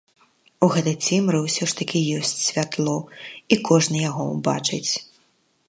У гэтай цемры ўсё ж такі ёсць святло, і кожны яго ўбачыць.